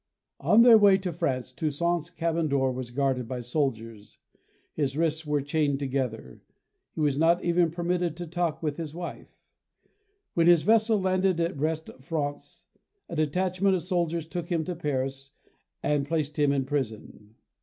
On their way to France Toussaint's cabin door was guarded by soldiers. His wrists were chained together. He was not even permitted to talk with his wife. When his vessel landed at Brest, France, a detachment of soldiers took him to Paris and placed him in prison.